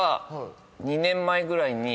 ２年前ぐらいに。